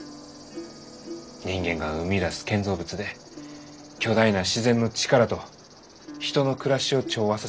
人間が生み出す建造物で巨大な自然の力と人の暮らしを調和させることができるがやと。